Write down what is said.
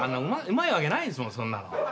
うまいわけないんですそんなの。